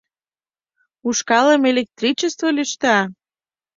Ушкалым электричество лӱшта.